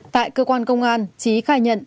tại cơ quan công an trí khai nhận